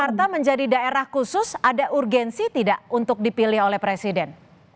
jakarta menjadi daerah khusus ada urgensi tidak untuk dipilih oleh presiden